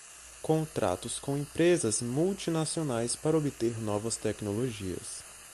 contratos com empresas multinacionais para obter novas tecnologias